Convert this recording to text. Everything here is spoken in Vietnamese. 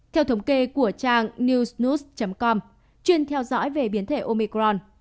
theo thống kê của trang newsnews com chuyên theo dõi về biến thể omicron